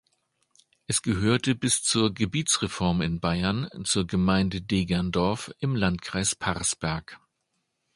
Es gehörte bis zur Gebietsreform in Bayern zur Gemeinde Degerndorf im Landkreis Parsberg.